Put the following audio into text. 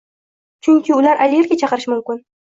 Chunki ular allergiya chaqirishi mumkin.